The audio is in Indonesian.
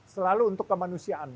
selalu untuk kemanusiaan